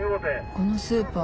このスーパー